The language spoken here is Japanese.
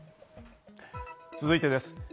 続いてです。